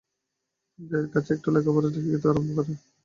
জয়ার কাছে একটু লেখাপড়া শিখিতেও আরম্ভ করিয়াছে।